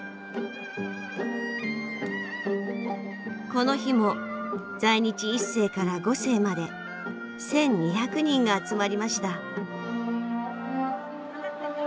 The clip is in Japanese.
この日も在日一世から五世まで１，２００人が集まりました。